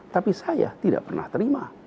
tapi saya tidak pernah terima